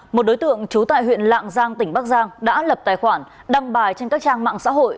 một đối tượng trú tại huyện lạng giang tỉnh bắc giang đã lập tài khoản đăng bài trên các trang mạng xã hội